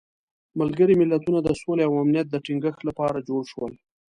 ملګري ملتونه د سولې او امنیت د تینګښت لپاره جوړ شول.